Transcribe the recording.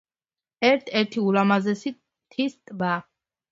ერთ-ერთი ულამაზესი მთის ტბა.